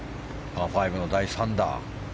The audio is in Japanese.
パー５の第３打。